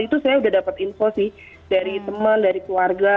itu saya sudah dapat info sih dari teman dari keluarga